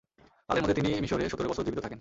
তাদের মতে, তিনি মিসরে সতের বছর জীবিত থাকেন।